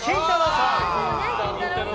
さん。